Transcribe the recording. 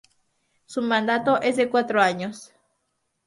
Su mandato es de cuatro años.